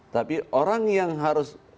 tapi orang yang harus